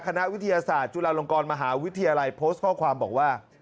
คณะวิทยาศาสตร์จุฬาลงกรมหาวิทยาลัยโพสต์ข้อความบอกว่า